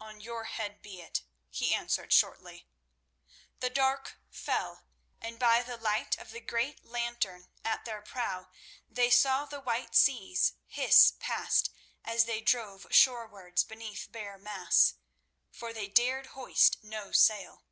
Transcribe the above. "On your head be it," he answered shortly. The dark fell, and by the light of the great lantern at their prow they saw the white seas hiss past as they drove shorewards beneath bare masts. For they dared hoist no sail.